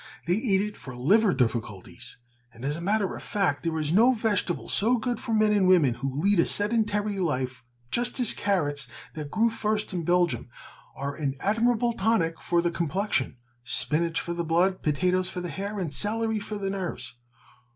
They ate it for liver difficulties and, as a matter of fact, there is no vegetable so good for men and women who lead a sedentary life, just as carrots, that grew first in Belgium, are an admirable tonic for the complexion, spinach for the blood, potatoes for the hair, and celery for the nerves.